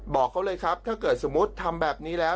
บอกเขาเลยครับถ้าเกิดสมมุติทำแบบนี้แล้ว